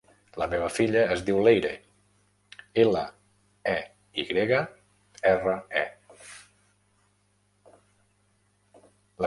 La meva filla es diu Leyre: ela, e, i grega, erra, e.